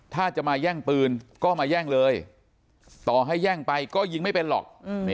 ถ้าจะมาแย่งปืนก็มาแย่งเลยต่อให้แย่งไปก็ยิงไม่เป็นหรอก